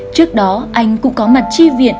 trước đó anh cũng có mặt tri viện